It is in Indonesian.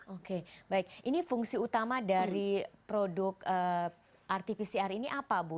oke baik ini fungsi utama dari produk rt pcr ini apa bu